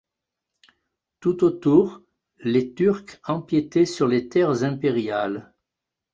Tout autour, les Turcs empiétaient sur les terres impériales.